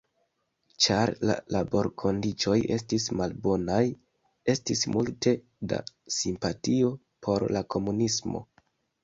Ĉar la laborkondiĉoj estis malbonaj, estis multe da simpatio por la komunismo.